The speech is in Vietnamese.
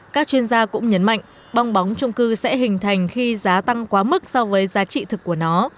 các chuyên gia cũng nhấn mạnh bong bóng trung cư sẽ hình thành khi giá tăng quá mức so với giá trị thực của nó